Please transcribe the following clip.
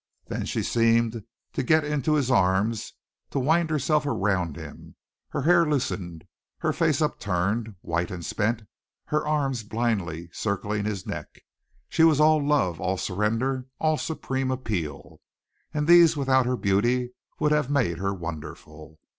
Then she seemed to get into his arms, to wind herself around him, her hair loosened, her face upturned, white and spent, her arms blindly circling his neck. She was all love, all surrender, all supreme appeal, and these, without her beauty, would have made her wonderful.